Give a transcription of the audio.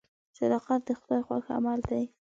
صداقت د خدای خوښ عمل دی.